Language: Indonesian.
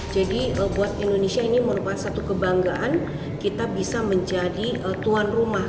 jadi buat indonesia ini merupakan satu kebanggaan kita bisa menjadi tuan rumah